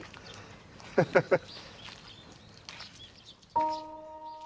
ハハハッ。